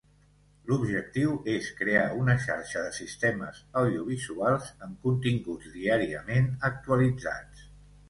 L'objectiu és crear una xarxa de sistemes audiovisuals amb continguts diàriament actualitzats.